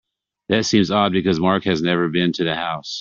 That seems odd because Mark has never been to the house.